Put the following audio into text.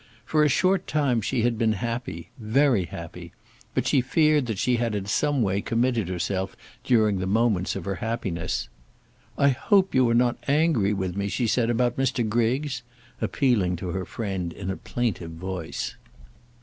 For a short time she had been happy, very happy; but she feared that she had in some way committed herself during the moments of her happiness. "I hope you are not angry with me," she said, "about Mr. Griggs?" appealing to her friend in a plaintive voice.